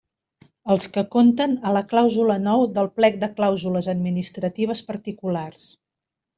Els que conten a la clàusula nou del plec de clàusules administratives particulars.